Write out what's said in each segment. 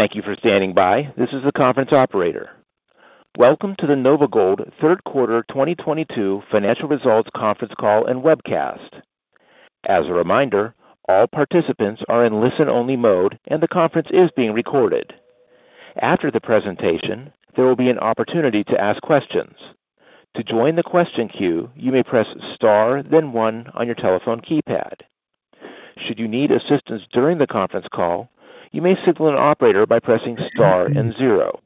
Thank you for standing by. This is the conference operator. Welcome to the NovaGold third quarter 2022 financial results conference call and webcast. As a reminder, all participants are in listen-only mode, and the conference is being recorded. After the presentation, there will be an opportunity to ask questions. To join the question queue, you may press star then one on your telephone keypad. Should you need assistance during the conference call, you may signal an operator by pressing star and zero.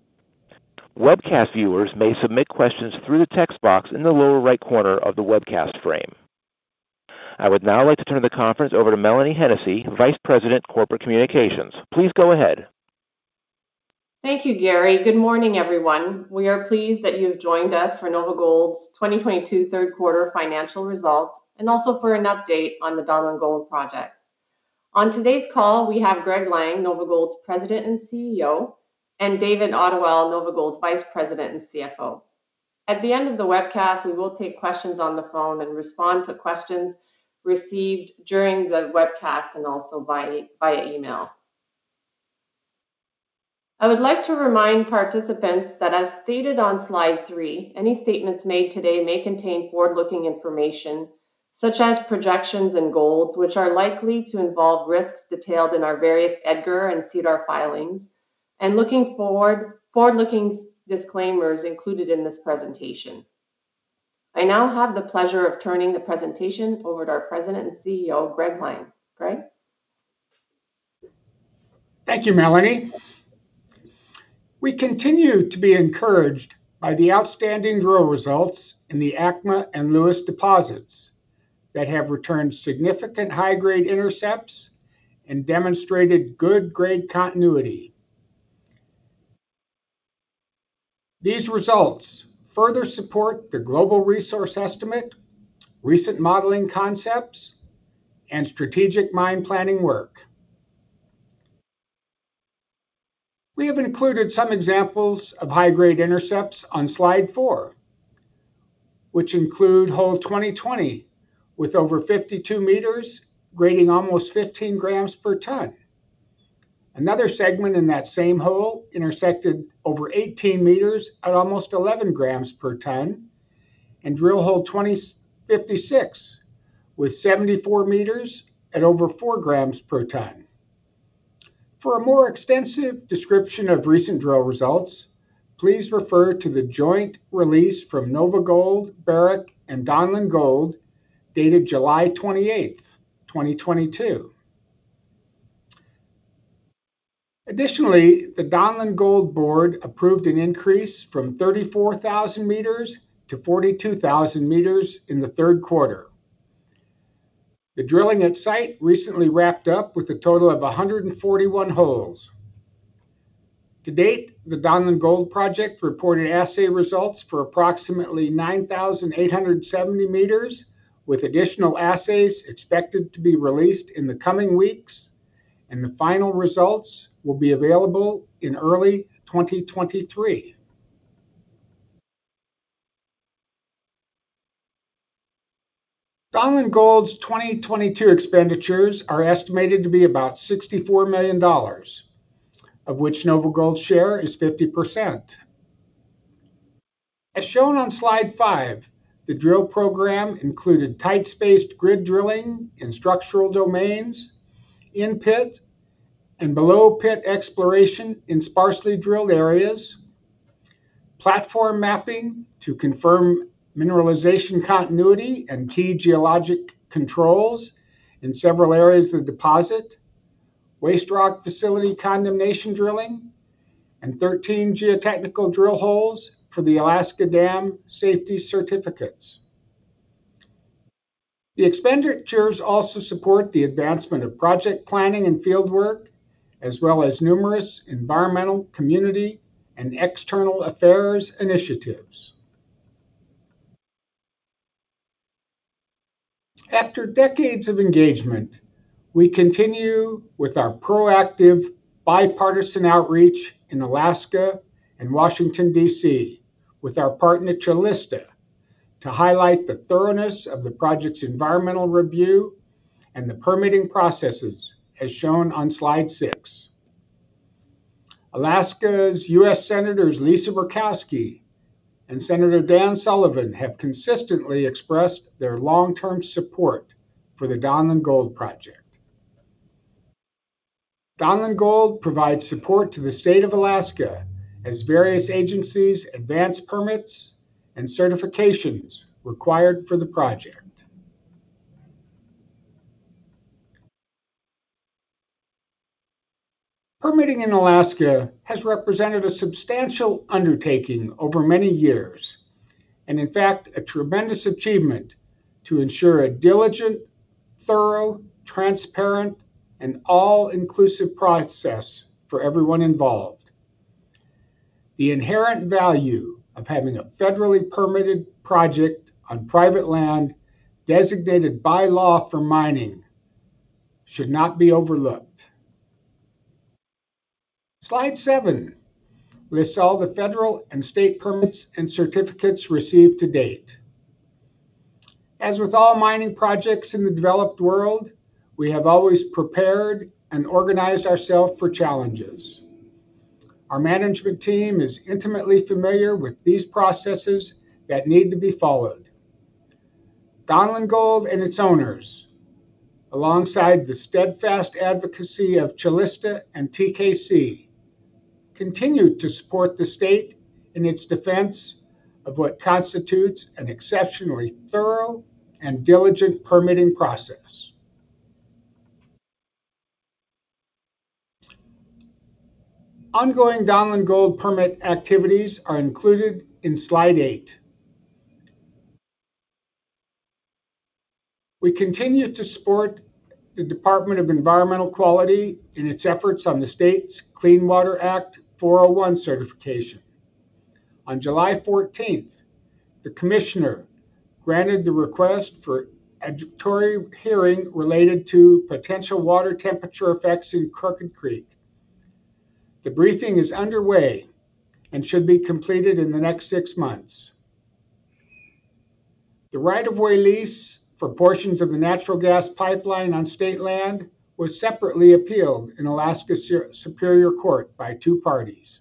Webcast viewers may submit questions through the text box in the lower right corner of the webcast frame. I would now like to turn the conference over to Mélanie Hennessey, Vice President, Corporate Communications. Please go ahead. Thank you, Gary. Good morning, everyone. We are pleased that you have joined us for NovaGold's 2022 third quarter financial results and also for an update on the Donlin Gold project. On today's call, we have Greg Lang, NovaGold's President and CEO, and David Ottewell, NovaGold's Vice President and CFO. At the end of the webcast, we will take questions on the phone and respond to questions received during the webcast and also via email. I would like to remind participants that as stated on slide 3, any statements made today may contain forward-looking information such as projections and goals, which are likely to involve risks detailed in our various EDGAR and SEDAR filings and forward-looking disclaimers included in this presentation. I now have the pleasure of turning the presentation over to our President and CEO, Greg Lang. Greg? Thank you, Melanie. We continue to be encouraged by the outstanding drill results in the ACMA and Lewis deposits that have returned significant high-grade intercepts and demonstrated good grade continuity. These results further support the global resource estimate, recent modeling concepts, and strategic mine planning work. We have included some examples of high-grade intercepts on slide 4, which include hole 2020 with over 52 m grading almost 15 g per ton. Another segment in that same hole intersected over 18 m at almost 11 g per ton, and drill hole 2056 with 74 m at over 4 g per ton. For a more extensive description of recent drill results, please refer to the joint release from NovaGold, Barrick, and Donlin Gold dated July 28, 2022. Additionally, the Donlin Gold board approved an increase from 34,000 m to 42,000 m in the third quarter. The drilling at site recently wrapped up with a total of 141 holes. To date, the Donlin Gold project reported assay results for approximately 9,870 m, with additional assays expected to be released in the coming weeks, and the final results will be available in early 2023. Donlin Gold's 2022 expenditures are estimated to be about $64 million, of which NovaGold's share is 50%. As shown on slide 5, the drill program included tight spaced grid drilling in structural domains, in pit and below pit exploration in sparsely drilled areas, platform mapping to confirm mineralization continuity and key geologic controls in several areas of the deposit, waste rock facility condemnation drilling, and 13 geotechnical drill holes for the Alaska Dam Safety certificates. The expenditures also support the advancement of project planning and fieldwork, as well as numerous environmental, community, and external affairs initiatives. After decades of engagement, we continue with our proactive bipartisan outreach in Alaska and Washington, D.C. with our partner Calista to highlight the thoroughness of the project's environmental review and the permitting processes, as shown on slide 6. Alaska's U.S. Senators Lisa Murkowski and Senator Dan Sullivan have consistently expressed their long-term support for the Donlin Gold project. Donlin Gold provides support to the state of Alaska as various agencies advance permits and certifications required for the project. Permitting in Alaska has represented a substantial undertaking over many years and, in fact, a tremendous achievement to ensure a diligent, thorough, transparent, and all-inclusive process for everyone involved. The inherent value of having a federally permitted project on private land designated by law for mining should not be overlooked. Slide seven lists all the federal and state permits and certificates received to date. As with all mining projects in the developed world, we have always prepared and organized ourselves for challenges. Our management team is intimately familiar with these processes that need to be followed. Donlin Gold and its owners, alongside the steadfast advocacy of Calista and TKC, continue to support the state in its defense of what constitutes an exceptionally thorough and diligent permitting process. Ongoing Donlin Gold permit activities are included in slide 8. We continue to support the Department of Environmental Conservation in its efforts on the state's Clean Water Act 401 certification. On July 14th, the commissioner granted the request for adjudicatory hearing related to potential water temperature effects in Crooked Creek. The briefing is underway and should be completed in the next six months. The right-of-way lease for portions of the natural gas pipeline on state land was separately appealed in Alaska Superior Court by two parties.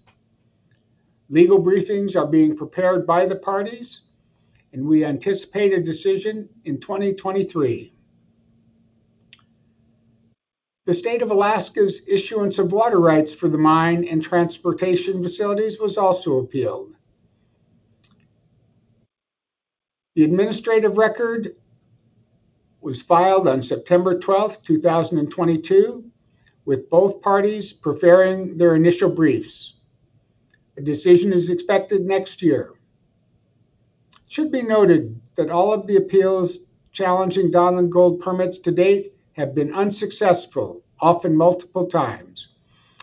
Legal briefings are being prepared by the parties, and we anticipate a decision in 2023. The State of Alaska's issuance of water rights for the mine and transportation facilities was also appealed. The administrative record was filed on September 12, 2022, with both parties preferring their initial briefs. A decision is expected next year. It should be noted that all of the appeals challenging Donlin Gold permits to date have been unsuccessful, often multiple times,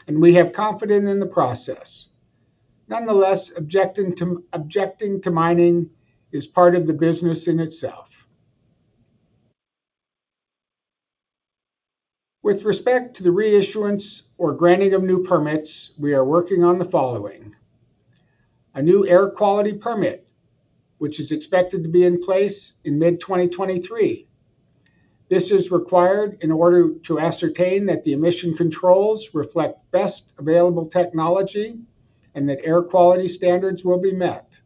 and we have confidence in the process. Nonetheless, objecting to mining is part of the business in itself. With respect to the reissuance or granting of new permits, we are working on the following: A new air quality permit, which is expected to be in place in mid-2023. This is required in order to ascertain that the emission controls reflect best available technology and that air quality standards will be met.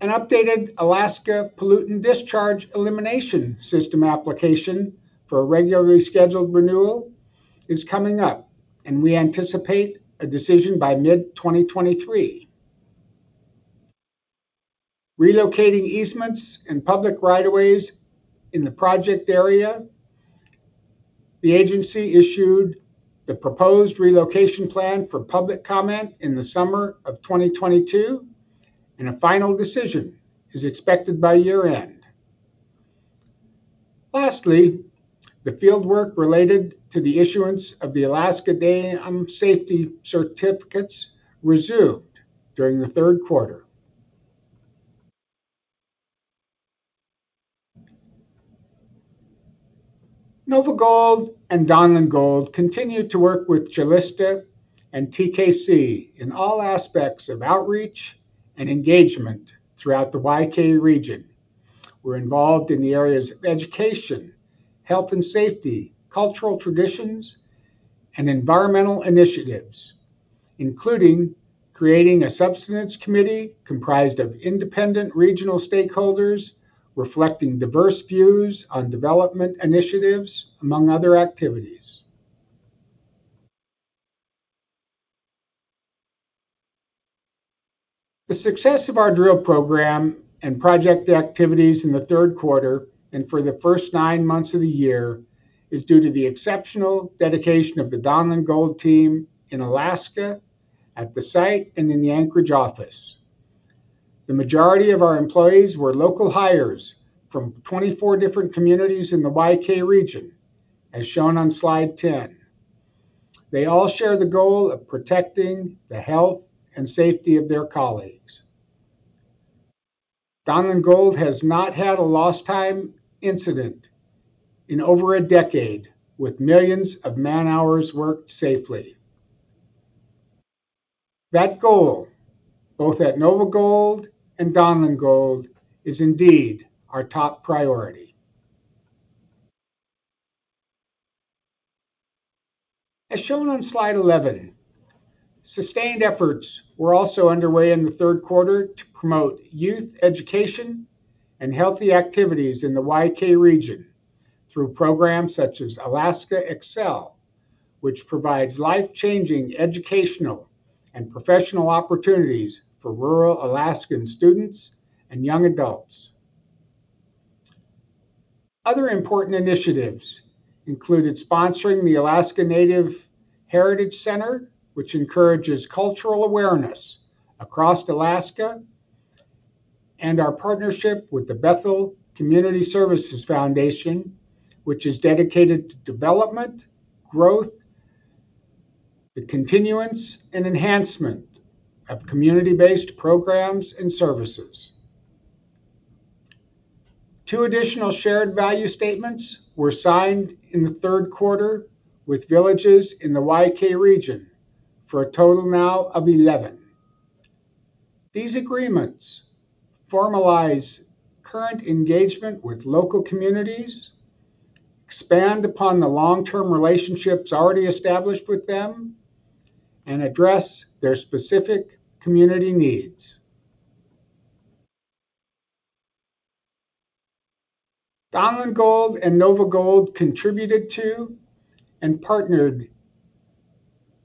An updated Alaska Pollutant Discharge Elimination System application for a regularly scheduled renewal is coming up, and we anticipate a decision by mid-2023. Relocating easements and public rights-of-way in the project area. The agency issued the proposed relocation plan for public comment in the summer of 2022, and a final decision is expected by year-end. Lastly, the fieldwork related to the issuance of the Alaska Dam Safety certificates resumed during the third quarter. NovaGold and Donlin Gold continue to work with Calista and TKC in all aspects of outreach and engagement throughout the Y-K region. We're involved in the areas of education, health and safety, cultural traditions, and environmental initiatives, including creating a subsistence committee comprised of independent regional stakeholders reflecting diverse views on development initiatives, among other activities. The success of our drill program and project activities in the third quarter and for the first nine months of the year is due to the exceptional dedication of the Donlin Gold team in Alaska at the site and in the Anchorage office. The majority of our employees were local hires from 24 different communities in the Y-K region, as shown on slide 10. They all share the goal of protecting the health and safety of their colleagues. Donlin Gold has not had a lost time incident in over a decade with millions of man-hours worked safely. That goal, both at NovaGold and Donlin Gold, is indeed our top priority. As shown on slide 11, sustained efforts were also underway in the third quarter to promote youth education and healthy activities in the Y-K region through programs such as Alaska EXCEL, which provides life-changing educational and professional opportunities for rural Alaskan students and young adults. Other important initiatives included sponsoring the Alaska Native Heritage Center, which encourages cultural awareness across Alaska, and our partnership with the Bethel Community Services Foundation, which is dedicated to development, growth, the continuance, and enhancement of community-based programs and services. Two additional shared value statements were signed in the third quarter with villages in the Y-K region for a total now of 11. These agreements formalize current engagement with local communities, expand upon the long-term relationships already established with them, and address their specific community needs. Donlin Gold and NovaGold contributed to and partnered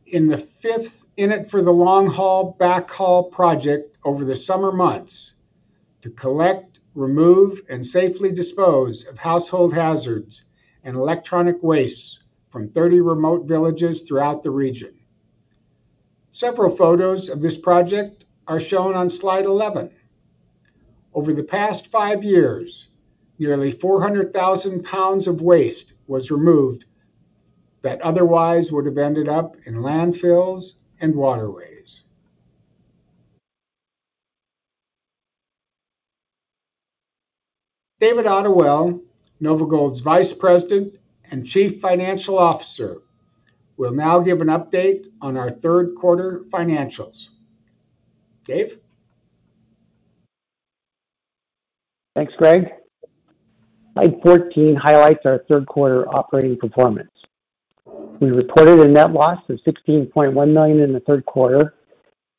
in the fifth In It for the Long Haul Backhaul Project over the summer months to collect, remove, and safely dispose of household hazards and electronic waste from 30 remote villages throughout the region. Several photos of this project are shown on slide 11. Over the past five years, nearly 400,000 lbs of waste was removed that otherwise would have ended up in landfills and waterways. David Ottewell, NovaGold's Vice President and Chief Financial Officer, will now give an update on our third quarter financials. Dave? Thanks, Greg. Slide 14 highlights our third quarter operating performance. We reported a net loss of $16.1 million in the third quarter,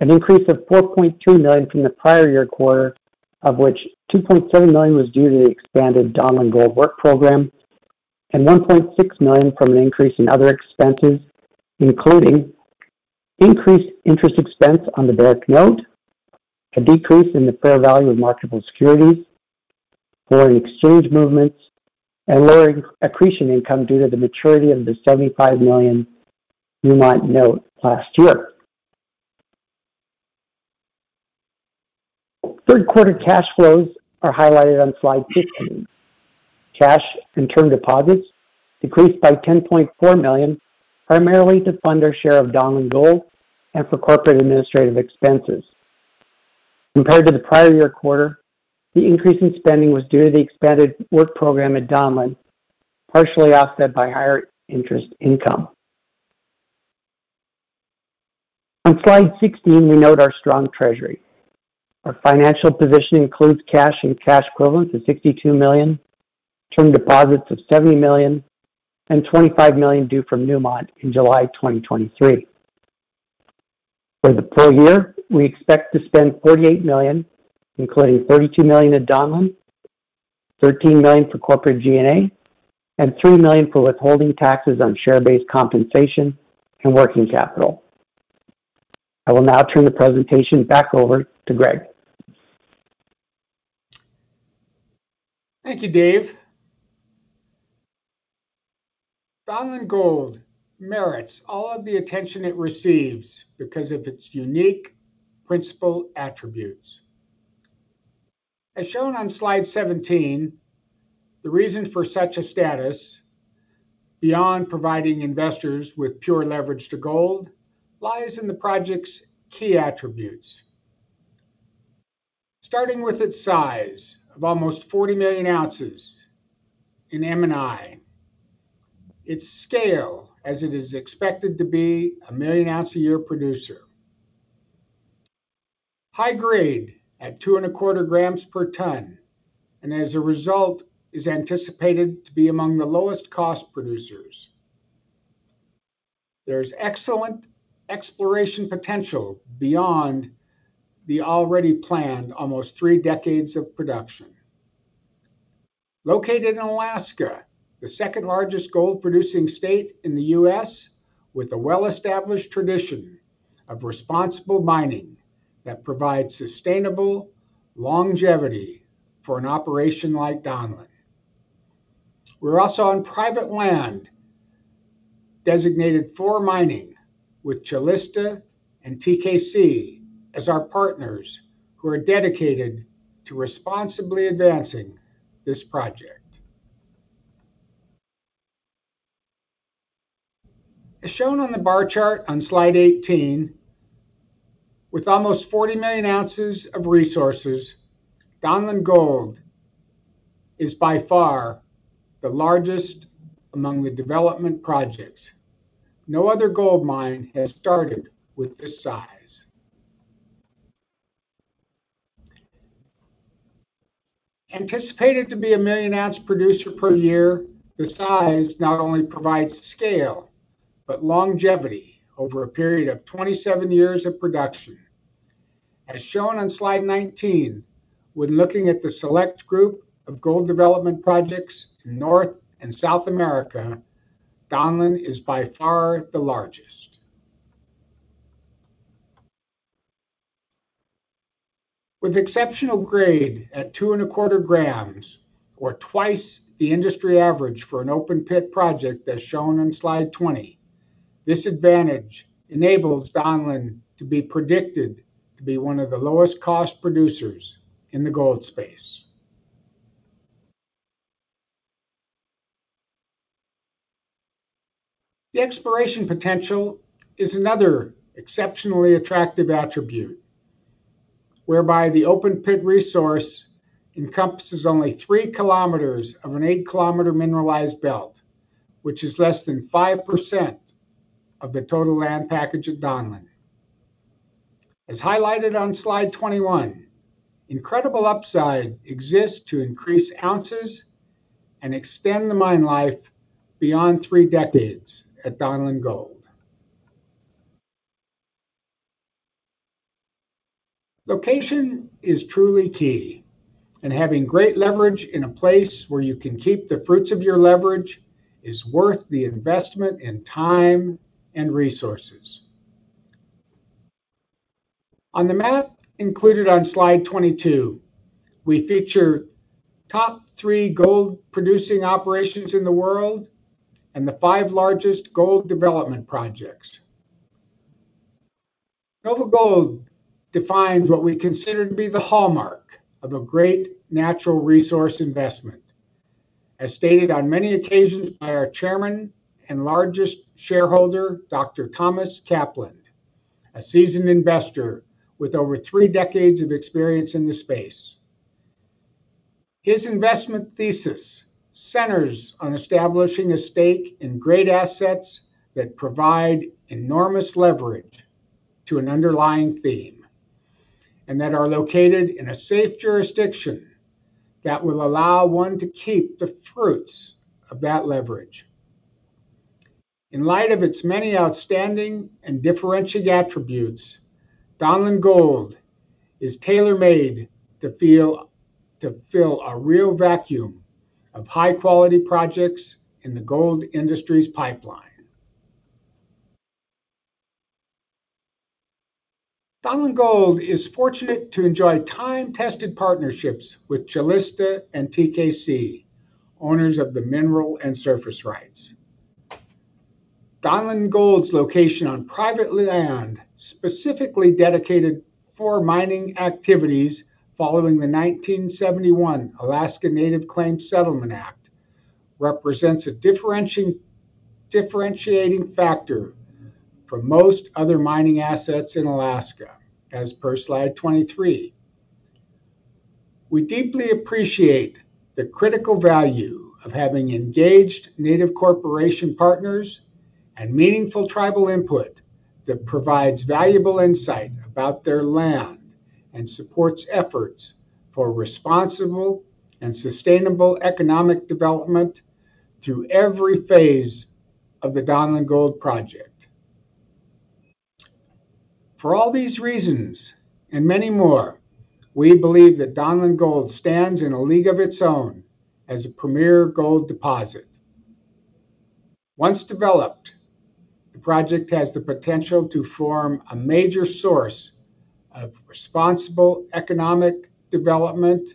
an increase of $4.2 million from the prior year quarter, of which $2.7 million was due to the expanded Donlin Gold work program and $1.6 million from an increase in other expenses, including increased interest expense on the Barrick note, a decrease in the fair value of marketable securities, foreign exchange movements, and lower accretion income due to the maturity of the $75 million Newmont note last year. Third quarter cash flows are highlighted on slide 15. Cash and term deposits decreased by $10.4 million, primarily to fund our share of Donlin Gold and for corporate administrative expenses. Compared to the prior year quarter, the increase in spending was due to the expanded work program at Donlin, partially offset by higher interest income. On slide 16, we note our strong treasury. Our financial position includes cash and cash equivalents of $62 million, term deposits of $70 million, and $25 million due from Newmont in July 2023. For the full year, we expect to spend $48 million, including $32 million at Donlin, $13 million for corporate G&A, and $3 million for withholding taxes on share-based compensation and working capital. I will now turn the presentation back over to Greg. Thank you, Dave. Donlin Gold merits all of the attention it receives because of its unique principal attributes. As shown on slide 17, the reason for such a status beyond providing investors with pure leverage to gold lies in the project's key attributes. Starting with its size of almost 40 million ounces in M&I. Its scale, as it is expected to be a 1 million-ounce-a-year producer. High grade at 2.25 g per ton, and as a result, is anticipated to be among the lowest cost producers. There is excellent exploration potential beyond the already planned almost three decades of production. Located in Alaska, the second largest gold producing state in the U.S. with a well-established tradition of responsible mining that provides sustainable longevity for an operation like Donlin. We're also on private land designated for mining with Calista and TKC as our partners who are dedicated to responsibly advancing this project. As shown on the bar chart on slide 18, with almost 40 million ounces of resources, Donlin Gold is by far the largest among the development projects. No other gold mine has started with this size. Anticipated to be a 1 million ounce producer per year, the size not only provides scale but longevity over a period of 27 years of production. As shown on slide 19, when looking at the select group of gold development projects in North and South America, Donlin is by far the largest. With exceptional grade at 2.25 g or twice the industry average for an open pit project as shown on slide 20, this advantage enables Donlin to be predicted to be one of the lowest cost producers in the gold space. The exploration potential is another exceptionally attractive attribute, whereby the open pit resource encompasses only 3 km of an 8-km mineralized belt, which is less than 5% of the total land package at Donlin. As highlighted on slide 21, incredible upside exists to increase ounces and extend the mine life beyond three decades at Donlin Gold. Location is truly key, and having great leverage in a place where you can keep the fruits of your leverage is worth the investment and time and resources. On the map included on slide 22, we feature top three gold producing operations in the world and the five largest gold development projects. NovaGold defines what we consider to be the hallmark of a great natural resource investment. As stated on many occasions by our chairman and largest shareholder, Dr. Thomas Kaplan, a seasoned investor with over three decades of experience in the space. His investment thesis centers on establishing a stake in great assets that provide enormous leverage to an underlying theme and that are located in a safe jurisdiction that will allow one to keep the fruits of that leverage. In light of its many outstanding and differentiating attributes, Donlin Gold is tailor-made to fill a real vacuum of high quality projects in the gold industry’s pipeline. Donlin Gold is fortunate to enjoy time-tested partnerships with Calista and TKC, owners of the mineral and surface rights. Donlin Gold's location on privately owned land specifically dedicated for mining activities following the 1971 Alaska Native Claims Settlement Act represents a differentiating factor for most other mining assets in Alaska as per slide 23. We deeply appreciate the critical value of having engaged Native corporation partners and meaningful tribal input that provides valuable insight about their land and supports efforts for responsible and sustainable economic development through every phase of the Donlin Gold project. For all these reasons, and many more, we believe that Donlin Gold stands in a league of its own as a premier gold deposit. Once developed, the project has the potential to form a major source of responsible economic development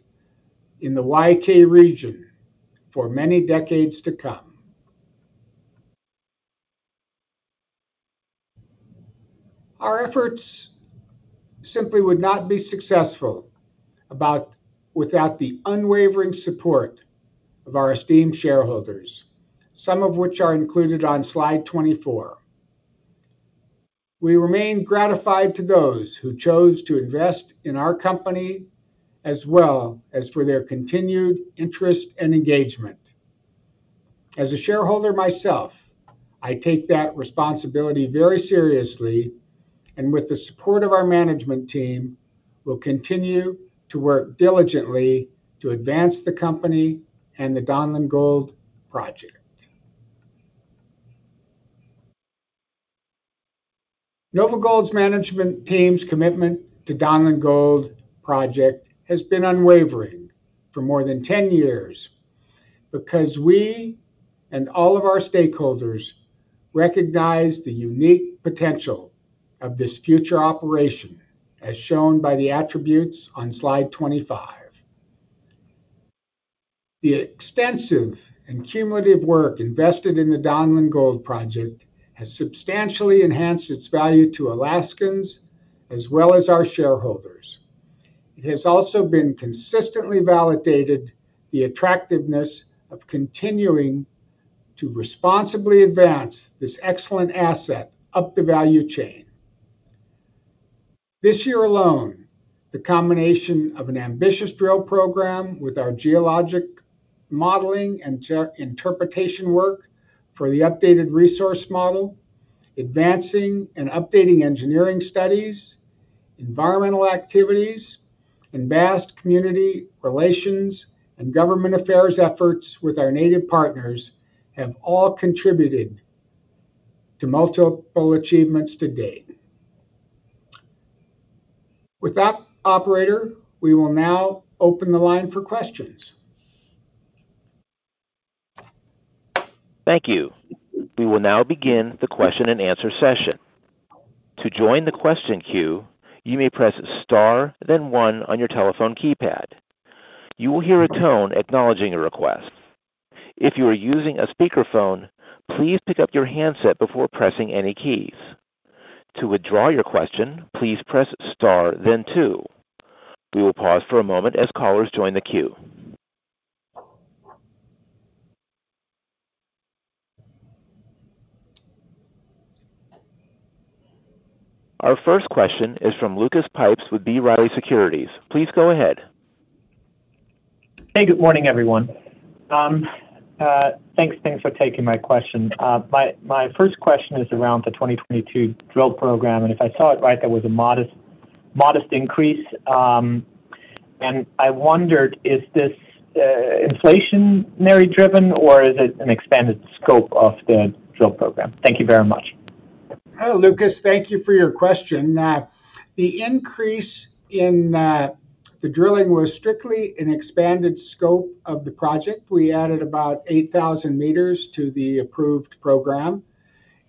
in the Y-K region for many decades to come. Our efforts simply would not be successful without the unwavering support of our esteemed shareholders, some of which are included on slide 24. We remain gratified to those who chose to invest in our company as well as for their continued interest and engagement. As a shareholder myself, I take that responsibility very seriously, and with the support of our management team, will continue to work diligently to advance the company and the Donlin Gold project. NovaGold's management team's commitment to Donlin Gold project has been unwavering for more than 10 years because we and all of our stakeholders recognize the unique potential of this future operation, as shown by the attributes on slide 25. The extensive and cumulative work invested in the Donlin Gold project has substantially enhanced its value to Alaskans as well as our shareholders. It has also been consistently validated the attractiveness of continuing to responsibly advance this excellent asset up the value chain. This year alone, the combination of an ambitious drill program with our geologic modeling and interpretation work for the updated resource model, advancing and updating engineering studies, environmental activities, and vast community relations and government affairs efforts with our native partners have all contributed to multiple achievements to date. With that, operator, we will now open the line for questions. Thank you. We will now begin the question and answer session. To join the question queue, you may press star then one on your telephone keypad. You will hear a tone acknowledging your request. If you are using a speakerphone, please pick up your handset before pressing any keys. To withdraw your question, please press star then two. We will pause for a moment as callers join the queue. Our first question is from Lucas Pipes with B. Riley Securities. Please go ahead. Hey, good morning, everyone. Thanks for taking my question. My first question is around the 2022 drill program, and if I saw it right, there was a modest increase. I wondered, is this inflationary driven, or is it an expanded scope of the drill program? Thank you very much. Hello, Lucas. Thank you for your question. The increase in the drilling was strictly an expanded scope of the project. We added about 8,000 m to the approved program,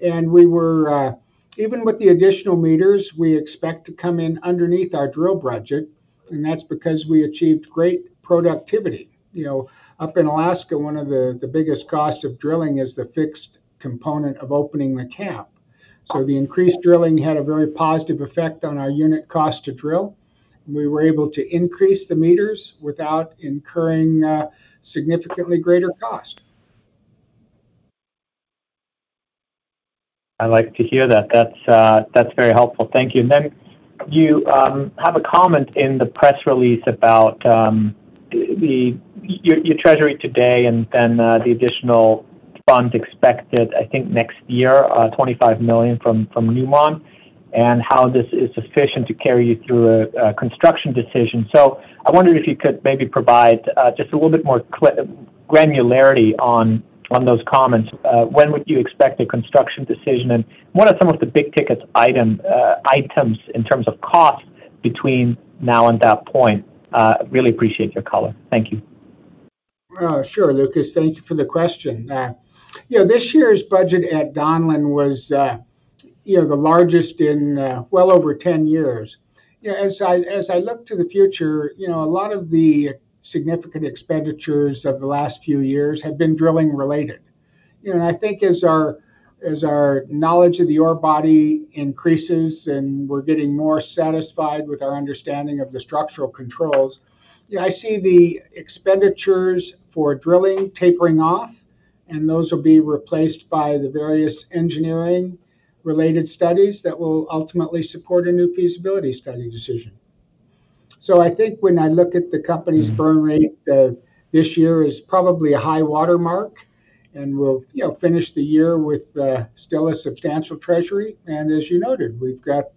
and we were even with the additional meters. We expect to come in underneath our drill budget, and that's because we achieved great productivity. You know, up in Alaska, one of the biggest cost of drilling is the fixed component of opening the camp. The increased drilling had a very positive effect on our unit cost to drill. We were able to increase the meters without incurring significantly greater cost. I like to hear that. That's very helpful. Thank you. You have a comment in the press release about your treasury today and then the additional funds expected, I think next year, $25 million from Newmont, and how this is sufficient to carry you through a construction decision. I wondered if you could maybe provide just a little bit more granularity on those comments. When would you expect a construction decision, and what are some of the big ticket items in terms of cost between now and that point? Really appreciate your color. Thank you. Sure, Lucas. Thank you for the question. You know, this year's budget at Donlin was, you know, the largest in, well over 10 years. You know, as I look to the future, you know, a lot of the significant expenditures of the last few years have been drilling related. You know, I think as our knowledge of the ore body increases, and we're getting more satisfied with our understanding of the structural controls, yeah, I see the expenditures for drilling tapering off, and those will be replaced by the various engineering related studies that will ultimately support a new feasibility study decision. I think when I look at the company's burn rate, this year is probably a high watermark, and we'll, you know, finish the year with, still a substantial treasury. As you noted, we've got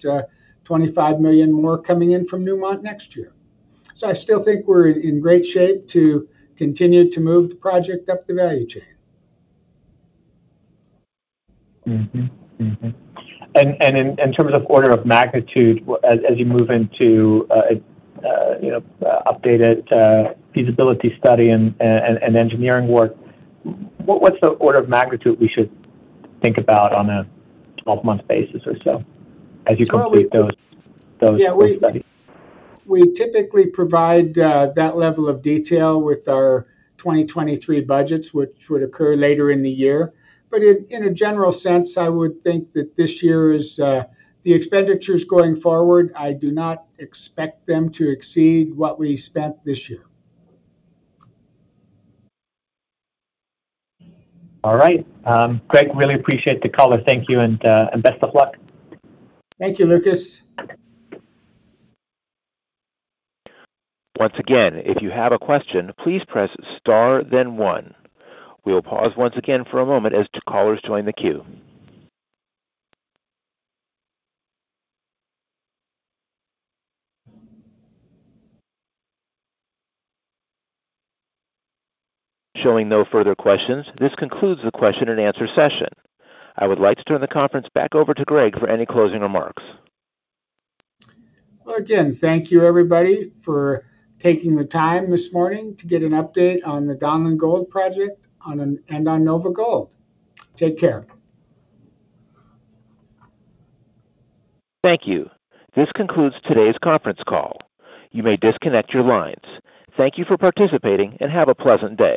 $25 million more coming in from Newmont next year. I still think we're in great shape to continue to move the project up the value chain. In terms of order of magnitude, as you move into, you know, updated feasibility study and engineering work, what's the order of magnitude we should think about on a 12-month basis or so as you complete those studies? We typically provide that level of detail with our 2023 budgets, which would occur later in the year. In a general sense, I would think that this year is the expenditures going forward. I do not expect them to exceed what we spent this year. All right. Greg, really appreciate the call. Thank you, and best of luck. Thank you, Lucas. Once again, if you have a question, please press star then one. We'll pause once again for a moment as callers join the queue. Showing no further questions, this concludes the question and answer session. I would like to turn the conference back over to Greg for any closing remarks. Well, again, thank you everybody for taking the time this morning to get an update on the Donlin Gold project and on NovaGold. Take care. Thank you. This concludes today's conference call. You may disconnect your lines. Thank you for participating, and have a pleasant day.